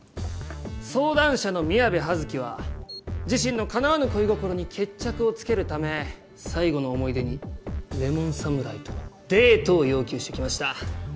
相談者の宮部羽月は自身の叶わぬ恋心に決着をつけるため最後の思い出にレモン侍とのデートを要求してきました。